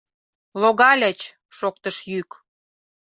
— Логальыч! — шоктыш йӱк.